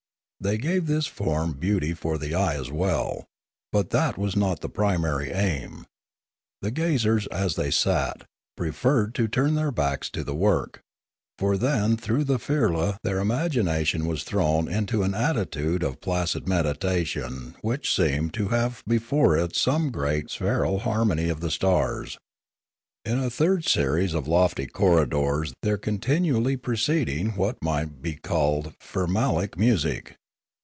They gave this form beauty for the eye as well ; but that was not the primary aim; the gazers, as they sat, preferred to turn their backs to the work; for then through the firla their imagination was thrown into an attitude of placid meditation which seemed to have before it some great spheral harmony of the stars. In a third series of lofty corridors there was continually proceeding what might be called firlamaic music.